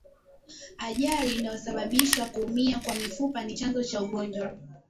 Ajali inayosababisha kuumia kwa mifupa ni chanzo cha ugonjwa